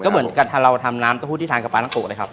เหมือนกับถ้าเราทำน้ำเต้าหู้ที่ทานกับปลาท้องโกะเลยครับ